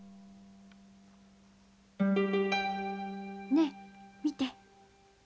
ねえ見て。